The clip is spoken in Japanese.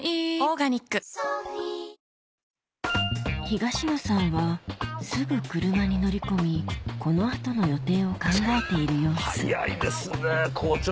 東野さんはすぐ車に乗り込みこの後の予定を考えている様子早いですね校長。